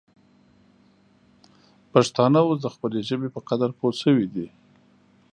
پښتانه اوس د خپلې ژبې په قدر پوه سوي دي.